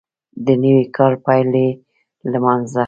د نوي کال پیل یې لمانځه